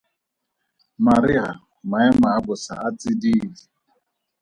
Mariga Maemo a bosa a tsididi.